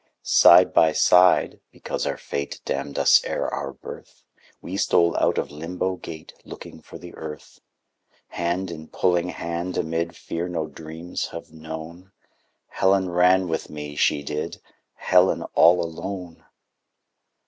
Side by side (because our fate Damned us ere our birth) We stole out of Limbo Gate Looking for the Earth. Hand in pulling hand amid Fear no dreams have known, Helen ran with me, she did, Helen all alone!